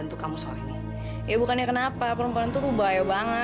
nomor yang ada tujuh tidak dapat dihubungi